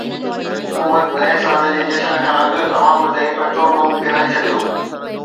حڪومت نئين سال جي جشن کان اڳ عوام تي پيٽرول بم ڪيرائي ڇڏيو